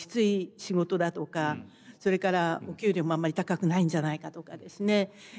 それからお給料もあんまり高くないんじゃないかとかですね